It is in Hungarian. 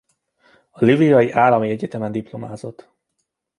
A Lvivi Állami Egyetemen diplomázott.